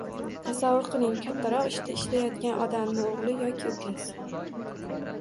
Tasavvur qiling: Kattaroq ishda ishlaydigan odamni o‘g‘li yoki ukasi